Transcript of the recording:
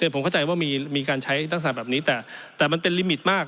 ผมเข้าใจว่ามีการใช้ทักษะแบบนี้แต่มันเป็นลิมิตมาก